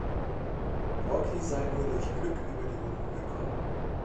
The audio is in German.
Rocky sei nur durch "Glück" über die Runden gekommen.